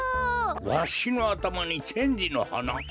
わしのあたまにチェンジのはな。